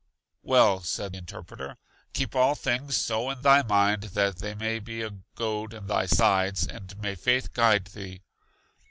Well, said Interpreter, keep all things so in thy mind that they may be a goad in thy sides; and may faith guide thee!